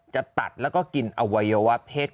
จะตัดแล้วก็กินอวัยวะเพศ